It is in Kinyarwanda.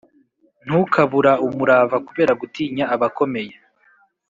Ntukabura umurava kubera gutinya abakomeye